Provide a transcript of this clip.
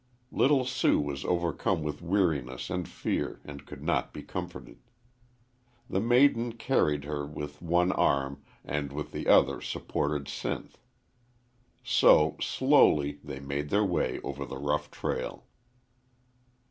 Little Sue was overcome with weariness and fear, and could not be comforted. The maiden carried her with one arm and with the other supported Sinth. So, slowly, they made their way over the rough trail.